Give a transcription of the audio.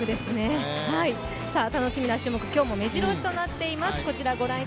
楽しみな種目、今日もめじろ押しとなっています。